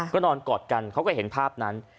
ก็นอนกอดกันเขาก็เห็นภาพนั้น